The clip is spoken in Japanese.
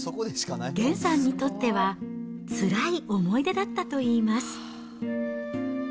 げんさんにとっては、つらい思い出だったといいます。